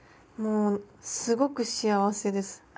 もうすごく幸せです。